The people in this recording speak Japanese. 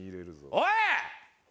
おい。